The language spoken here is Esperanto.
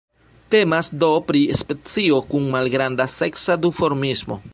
Temas do pri specio kun malgranda seksa duformismo.